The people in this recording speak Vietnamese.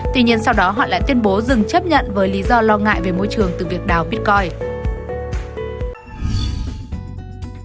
tuy nhiên sau đó họ lại tuyên bố dừng chấp nhận với lý do lo ngại về môi trường từ việc đào pitcoin